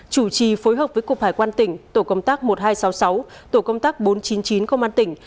chủ trì phối hợp với cục hải quan tỉnh tổ công tác một nghìn hai trăm sáu mươi sáu tổ công tác bốn trăm chín mươi chín công an tỉnh